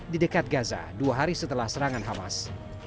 di dekat gaza dua hari setelah serangan hamas